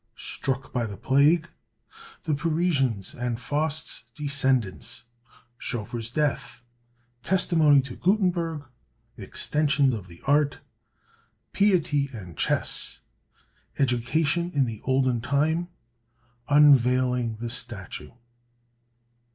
Struck by the Plague. The Parisians, and Faust's Descendants. Schoeffer's Death. Testimony to Gutenberg. Extension of the Art. Piety and Chess. Education in the Olden Time. Unveiling the Statue.